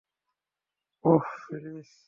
Oh, please.